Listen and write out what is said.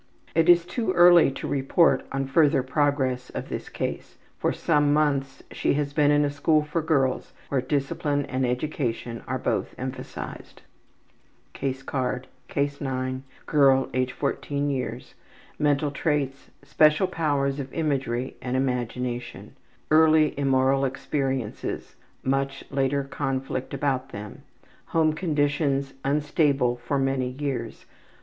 It is too early to report on further progress of this case. For some months she has been in a school for girls where discipline and education are both emphasized. Mental traits: special powers of imagery Case 9. and imagination. Girl, age 14 years. Early immoral experiences: much later conflict about them. Home conditions: unstable for many years.